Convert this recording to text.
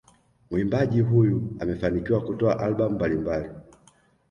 Muimbaji huyu amefanikiwa kutoa albamu mbalimbali